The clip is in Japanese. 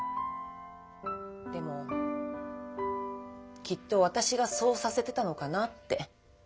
でもきっと私がそうさせてたのかなって。